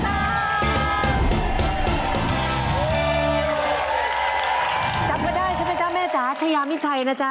จำกันได้ใช่ไหมจ๊ะแม่จ๋าชายามิชัยนะจ๊